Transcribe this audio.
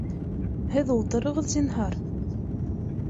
Һеҙ ултырығыҙ, зинһар.